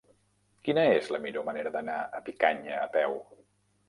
Quina és la millor manera d'anar a Picanya a peu?